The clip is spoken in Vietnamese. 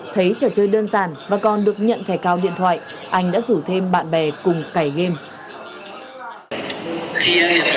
thấy trò chơi đơn giản và còn được nhận thẻ cao điện thoại anh đã rủ thêm bạn bè cùng cải game